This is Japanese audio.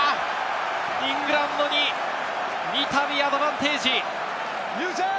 イングランドに三度、アドバンテージ。